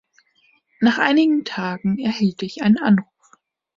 Nach einigen Tagen erhielt ich einen Anruf.